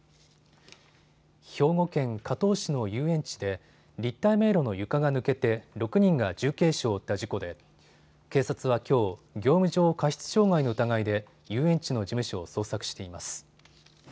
兵庫県加東市の遊園地で立体迷路の床が抜けて６人が重軽傷を負った事故で警察はきょう、業務上過失傷害の疑いで遊園地の事務所を捜索しています。